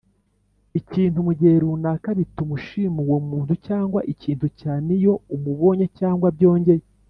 ikintu mugihe runaka bituma ushima uwo muntu cyangwa ikintu cyane iyo umubonye cyangwa byongeye